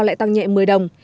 lại tăng nhẹ một mươi đồng